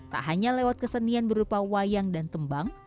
tak hanya lewat kesenian berupa wayang dan tembang